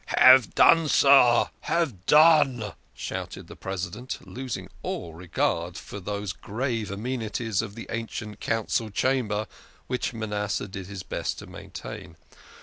" Have done, sir, have done !" shouted the President, losing all regard for those grave amenities of the ancient Council Chamber which Manasseh did his best to maintain.